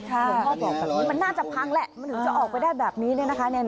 หลวงพ่อบอกว่ามันน่าจะพังแหละมันถึงจะออกไปได้แบบนี้นะคะ